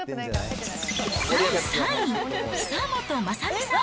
第３位、久本雅美さん。